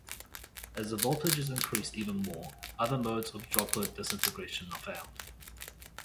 As the voltage is increased even more, other modes of droplet disintegration are found.